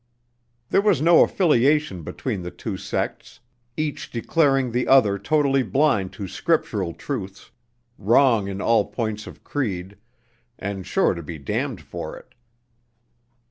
There was no affiliation between the two sects, each declaring the other totally blind to Scriptural truths; wrong in all points of creed, and sure to be damned for it.